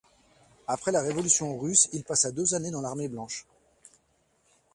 Après la révolution russe, il passa deux années dans l’Armée blanche.